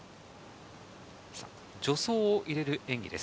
助走を入れる演技です。